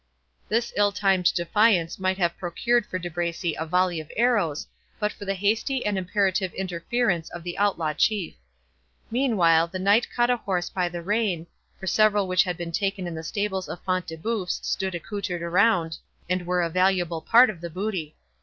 This ill timed defiance might have procured for De Bracy a volley of arrows, but for the hasty and imperative interference of the outlaw Chief. Meanwhile the knight caught a horse by the rein, for several which had been taken in the stables of Front de Bœuf stood accoutred around, and were a valuable part of the booty.